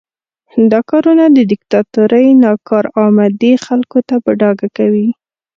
دا کارونه د دیکتاتورۍ ناکارآمدي خلکو ته په ډاګه کوي.